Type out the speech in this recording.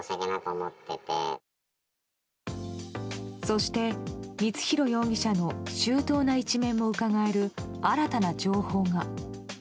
そして光弘容疑者の周到な一面もうかがえる新たな情報が。